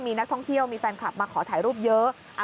มีนักท่องเที่ยวมีแฟนคลับมาขอถ่ายรูปเยอะ